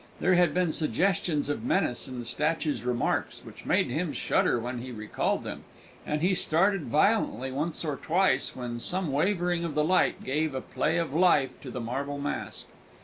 There had been suggestions of menace in the statue's remarks which made him shudder when he recalled them, and he started violently once or twice when some wavering of the light gave a play of life to the marble mask.